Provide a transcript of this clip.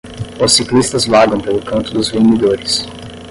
Os ciclistas vagam pelo canto dos vendedores.